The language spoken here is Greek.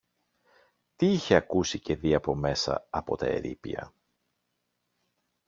τι είχε ακούσει και δει από μέσα από τα ερείπια